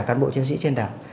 cán bộ chiến sĩ trên đảo